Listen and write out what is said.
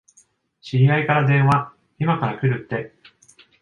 知り合いから電話、いまから来るって。